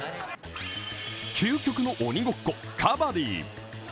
究極の鬼ごっこ、カバディ。